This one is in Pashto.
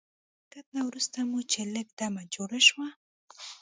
له حرکت نه وروسته مو چې لږ دمه جوړه شوه.